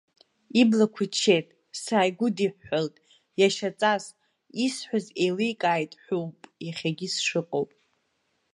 Иблақәа ччеит, сааигәыдиҳәҳәалт, иашьаҵас, исҳәаз еиликааит ҳәоуп иахьагьы сшыҟоу.